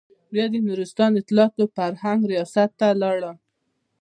بيا د نورستان اطلاعاتو او فرهنګ رياست ته لاړم.